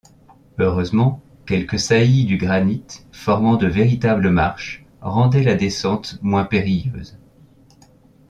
Heureusement, quelques saillies du granit, formant de véritables marches, rendaient la descente moins périlleuse